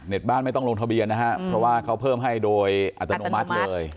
บ้านไม่ต้องลงทะเบียนนะครับเพราะว่าเขาเพิ่มให้โดยอัตโนมัติเลย